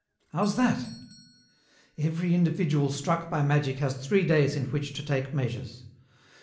"How's that?" "Every individual struck by magic has three days in which to take measures.